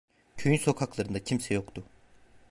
Köyün sokaklarında kimse yoktu.